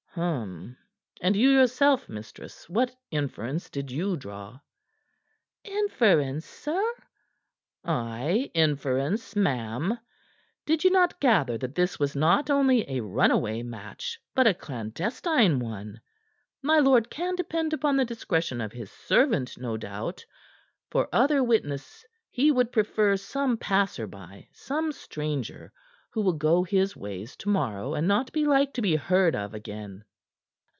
"Hum! And you yourself, mistress, what inference did you draw?" "Inference, sir?" "Aye, inference, ma'am. Did you not gather that this was not only a runaway match, but a clandestine one? My lord can depend upon the discretion of his servant, no doubt; for other witness he would prefer some passer by, some stranger who will go his ways to morrow, and not be like to be heard of again."